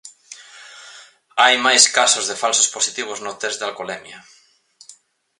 Hai máis casos de falsos positivos no test de alcolemia.